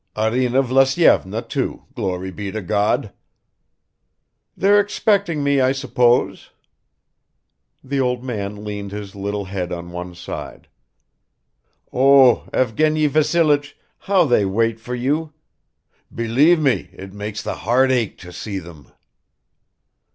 "Arina Vlasyevna too, glory be to God." "They're expecting me, I suppose." The old man leaned his little head on one side. "Oh, Evgeny Vassilich, how they wait for you! Believe me, it makes the heart ache to see them."